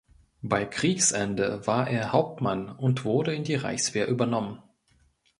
Bei Kriegsende war er Hauptmann und wurde in die Reichswehr übernommen.